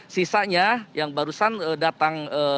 sisanya yang barusan datang